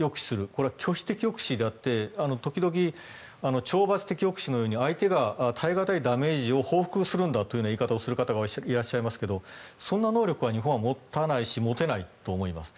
これは拒否的抑止であって時々、懲罰的抑止のように相手が耐え難いダメージを報復するんだという言い方をされる方がいますがそんな能力は日本は持たないし持てないと思います。